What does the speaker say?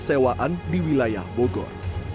sewaan di wilayah bogor